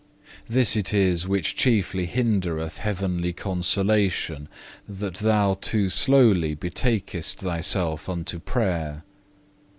"This it is which chiefly hindereth heavenly consolation, that thou too slowly betakest thyself unto prayer.